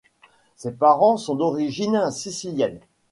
Ses parents sont d'origine sicilienne.